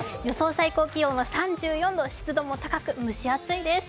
最高気温は３４度、湿度も高く蒸し暑いです。